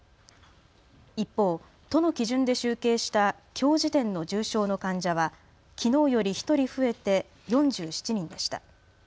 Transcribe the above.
一方、都の基準で集計した、きょう時点の重症の患者はきのうより１人増えて４７人でした。